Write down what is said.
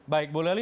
baik bu leli